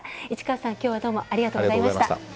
市川さん、きょうはどうもありがとうございました。